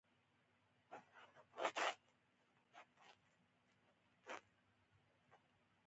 بیا به موږ هر څومره ملخان چې وغواړو راټول کړو